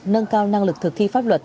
nâng cao năng lực thực thi pháp luật